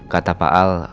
kata pak al